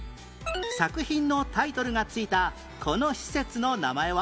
作品のタイトルが付いたこの施設の名前は？